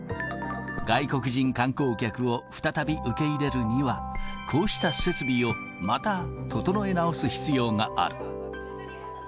外国人観光客を再び受け入れるには、こうした設備をまた整え直す必要がある。